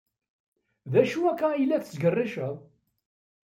D acu akka ay la tettgerriced?